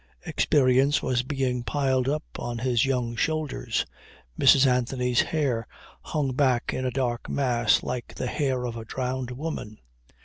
Experience was being piled up on his young shoulders. Mrs. Anthony's hair hung back in a dark mass like the hair of a drowned woman.